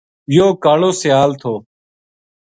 یوہ کالو سیال تھو